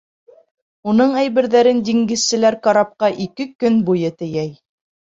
Уның әйберҙәрен диңгеҙселәр карапҡа ике көн буйы тейәй.